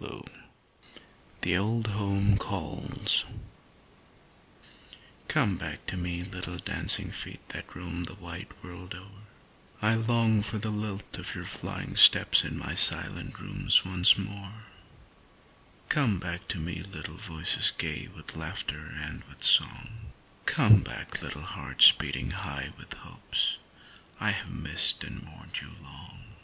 129 THE OLD HOME CALLS Come back to me, little dancing feet that roam the wide world o'er, I long for the lilt of your flying steps in my silent rooms once more; Come back to me, little voices gay with laughter and with song, Come back, little hearts beating high with hopes, I have missed and mourned you long.